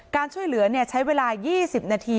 การช่วยเหลือใช้เวลา๒๐นาที